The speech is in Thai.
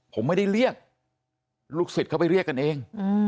ผมไม่ได้เรียกลูกศิษย์เขาไปเรียกกันเอง